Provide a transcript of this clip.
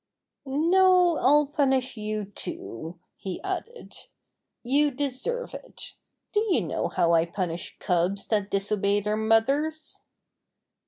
"No, I'll punish you too," he added. "You deserve it. Do you know how I punish cubs that disobey their mothers